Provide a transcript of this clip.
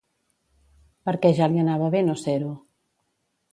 Per què ja li anava bé no ser-ho?